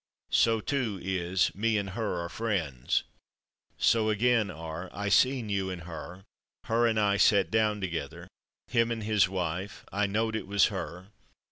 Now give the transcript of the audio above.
So, too, is "/me/ and /her/ are friends." So, again, are "I seen you and /her/," "/her/ and I set down together," "/him/ and his wife," and "I knowed it was /her